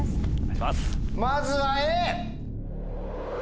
まずはＡ！